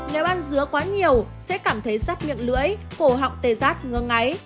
nếu ăn dứa quá nhiều sẽ cảm thấy rất miệng lưỡi cổ họng tê giác ngơ ngáy